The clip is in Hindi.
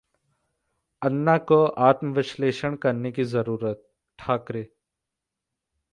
अन्ना को आत्मविश्लेषण करने की जरुरत: ठाकरे